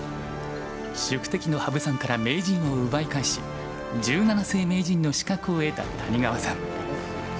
宿敵の羽生さんから名人を奪い返し十七世名人の資格を得た谷川さん。